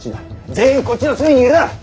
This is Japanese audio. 全員こっちの隅にいろ。